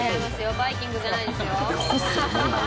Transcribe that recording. バイきんぐじゃないですよ。